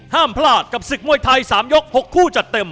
ห้ามพลาดกับศึกมวยไทย๓ยก๖คู่จัดเต็ม